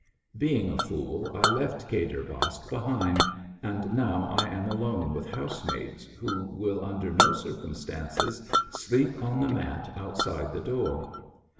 ^' Being a fool, I left Kadir Baksh behind, and now I am alone with housemaids, who will under no circumstances sleep on the mat outside the door.